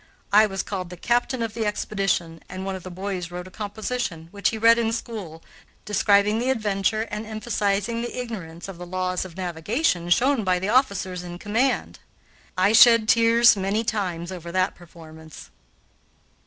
I was called the captain of the expedition, and one of the boys wrote a composition, which he read in school, describing the adventure and emphasizing the ignorance of the laws of navigation shown by the officers in command. I shed tears many times over that performance.